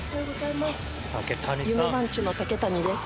夢番地の竹谷です。